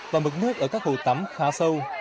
và mực nước ở các hồ tắm khá sâu